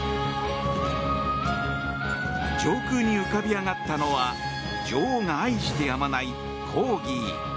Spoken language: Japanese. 上空に浮かび上がったのは女王が愛してやまないコーギー。